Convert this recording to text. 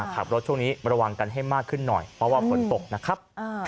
ขับรถช่วงนี้ระวังกันให้มากขึ้นหน่อยเพราะว่าฝนตกนะครับ